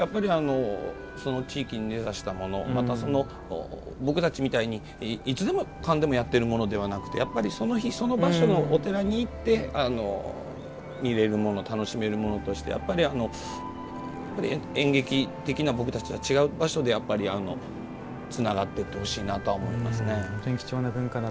その地域に根ざしたものまた、僕たちみたいにいつでもかんでもやってるものではなくてやっぱりその日、その場所のお寺に行って見れるもの、楽しめるものとしてやっぱり演劇的な僕たちとは違う場所でつながっていってほしいなとは思いますね。